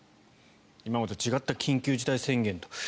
今までと違った緊急事態宣言と。